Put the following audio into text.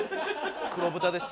黒豚です。